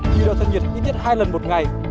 khí đo thân nhiệt ít nhất hai lần một ngày